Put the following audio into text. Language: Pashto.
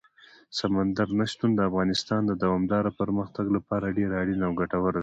سمندر نه شتون د افغانستان د دوامداره پرمختګ لپاره ډېر اړین او ګټور دی.